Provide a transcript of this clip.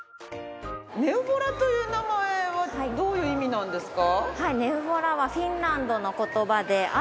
ネウボラという名前はどういう意味なんですか？